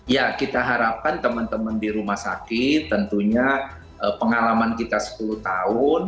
ya kita harapkan teman teman di rumah sakit tentunya pengalaman kita sepuluh tahun